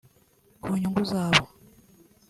Ku nyungu zabo